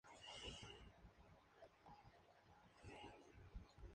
Ésta versión contiene más instrumentos electrónicos y un tempo más acelerado.